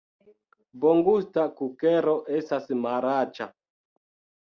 Bongusta kukero estas malaĉa